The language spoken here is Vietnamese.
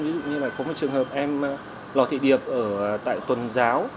ví dụ như là có một trường hợp em lò thị điệp ở tại tuần giáo